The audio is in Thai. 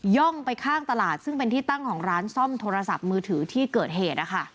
่องไปข้างตลาดซึ่งเป็นที่ตั้งของร้านซ่อมโทรศัพท์มือถือที่เกิดเหตุ